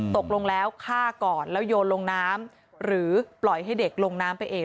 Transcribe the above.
ตกลงแล้วฆ่าก่อนแล้วโยนลงน้ำหรือปล่อยให้เด็กลงน้ำไปเอง